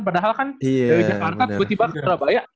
padahal kan dari jakarta tiba tiba terlalu banyak